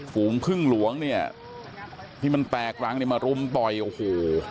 ฝูงพึ่งหลวงเนี่ยที่มันแตกรังเนี่ยมารุมต่อยโอ้โห